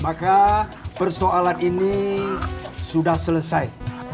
maka persoalan ini sudah selesai